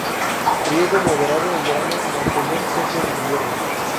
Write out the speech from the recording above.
Riego moderado en verano, mantener seco en invierno.